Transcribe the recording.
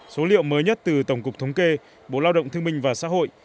số liệu mới nhất từ tổng cục thống kê bộ lao động thương minh và xã hội